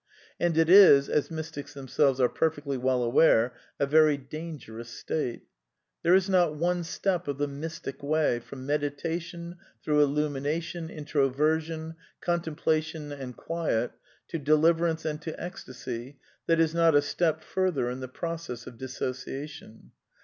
And it is, as mystics themselves are per fectly well aware, a very dangerous state. There is not one step of the " Mystic Way," from meditation, through illumination, introversion (contemplation flT^H q\tiftt) to deliverance and to ecstasy, that is not a step further in the process of dissociation.